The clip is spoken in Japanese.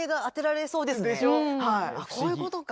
こういうことか。